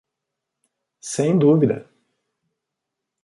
Sem dúvida.